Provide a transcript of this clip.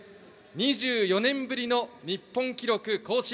２４年ぶりの日本記録更新。